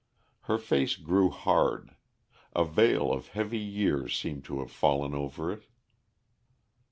Her face grew hard; a veil of heavy years seemed to have fallen over it.